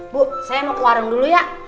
bu saya mau ke warung dulu ya